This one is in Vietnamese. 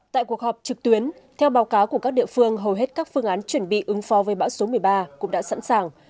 tại cuộc họp trực tuyến theo báo cáo của các địa phương hầu hết các phương án chuẩn bị ứng phó với bão số một mươi ba cũng đã sẵn sàng